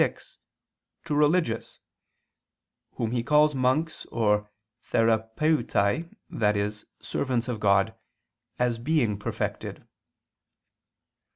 vi) to religious (whom he calls monks or therapeutai, i.e. servants of God) as being perfected.